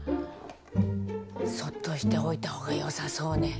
そっとしておいたほうが良さそうね。